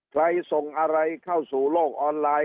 ใครส่งอะไรเข้าสู่โลกออนไลน์